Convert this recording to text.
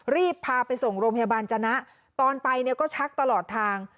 รีบพาไปส่งโรงพยาบาลจนะตอนไปเนี่ยก็ชักตลอดทาง